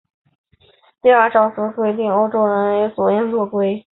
第二章则规定欧洲人权法院及其运作规则。